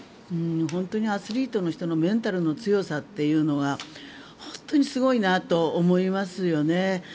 本当にアスリートの人のメンタルの強さというのは本当にすごいなと思いますね。